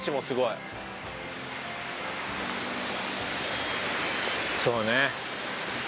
すごいね。